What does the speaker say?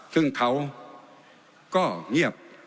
ซึ่งเขาก็เงียบ